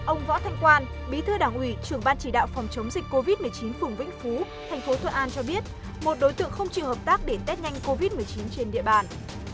ông võ thanh quan bí thư đảng ủy trưởng ban chỉ đạo phòng chống dịch covid một mươi chín phùng vĩnh phú thành phố thuận an cho biết một đối tượng không chịu hợp tác để test nhanh covid một mươi chín trên địa bàn